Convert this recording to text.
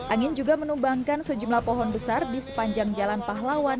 angin juga menumbangkan sejumlah pohon besar di sepanjang jalan pahlawan